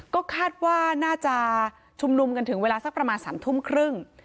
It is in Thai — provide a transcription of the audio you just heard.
ก็คาดว่าน่าจะชุมนุมกันถึงเวลาสักประมาณ๓ทุ่มครึ่ง